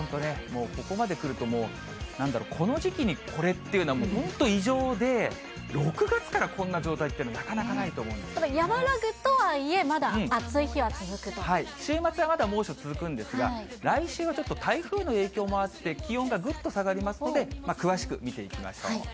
もうここまで来ると、もうなんだろう、この時期にこれっていうのは、本当、異常で、６月からこんな状態っていうの、ただ、和らぐとはいえ、週末はまだ猛暑続くんですが、来週はちょっと台風の影響もあって、気温がぐっと下がりますので、詳しく見ていきましょう。